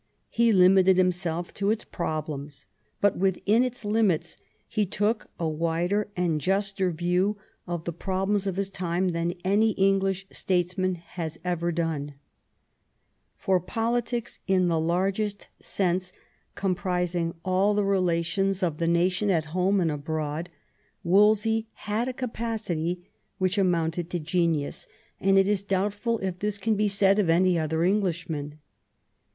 He limited himself to its problems, but within its limits he took a wider and juster view of the problems of his time than any English statesman has ever dona For politics in the largest sense, comprising all the rela 212 THOMAS WOLSEY chap. tions of the nation at home and abroad, Wolsey had a capacity which amounted to genius, and it is doubt ful if this can be said of any other Englishman.